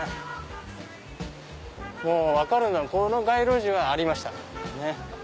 もう分かるのはこの街路樹はありました。